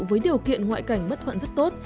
với điều kiện ngoại cảnh bất thuận rất tốt